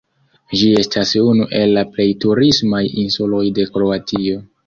Ĝi estas unu el la plej turismaj insuloj de Kroatio.